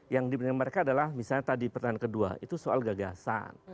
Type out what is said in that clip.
yang diberikan mereka adalah misalnya tadi pertanyaan kedua itu soal gagasan